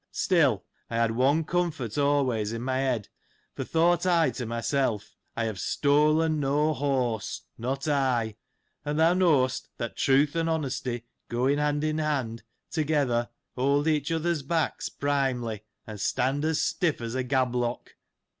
Still, I had one comfort always in my head ; for, thought I to myself, I have stolen no horse, not I: and thou know'st, that Truth and Honesty, going hand in hand, together, hold each other's backs primely, and stand as stiff as a gablock.